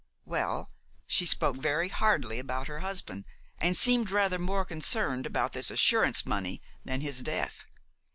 "Well, she spoke very hardly about her husband, and seemed rather more concerned about this assurance money than his death.